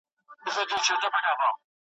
چې يوازې لوستل او پرې پوهېدل يو عمر غواړي.